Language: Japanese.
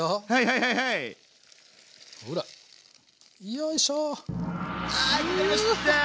よいしょ！